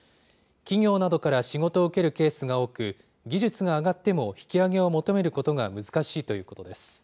企業などから仕事を受けるケースが多く、技術が上がっても引き上げを求めることが難しいということです。